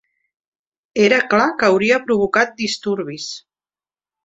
Era clar que hauria provocat disturbis.